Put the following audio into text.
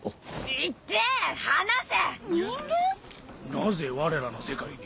なぜ我らの世界に。